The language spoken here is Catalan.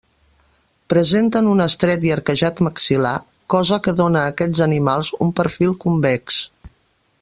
Presenten un estret i arquejat maxil·lar, cosa que dóna a aquests animals un perfil convex.